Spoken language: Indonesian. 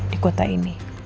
di kota ini